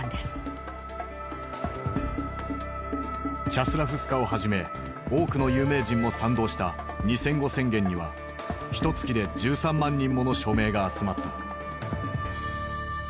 チャスラフスカをはじめ多くの有名人も賛同した「二千語宣言」にはひとつきで１３万人もの署名が集まった。